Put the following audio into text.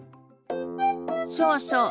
そうそう。